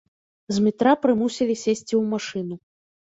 Змітра прымусілі сесці ў машыну.